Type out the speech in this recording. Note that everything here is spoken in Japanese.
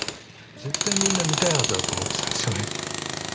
絶対みんな見たいはずだと思ってたんですよね。